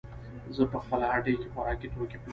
زه په خپله هټۍ کې خوراکي توکې پلورم.